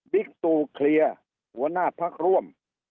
เด็กตูครีย์หัวหน้าพักร่วม